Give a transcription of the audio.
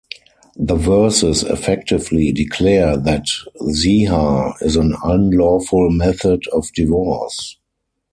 The verses effectively declare that "zihar" is an unlawful method of divorce.